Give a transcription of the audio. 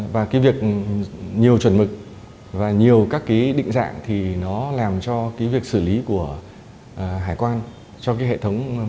và cái việc nhiều chuẩn mực và nhiều các cái định dạng thì nó làm cho cái việc xử lý của hải quan cho cái hệ thống một cửa này nó phức tạp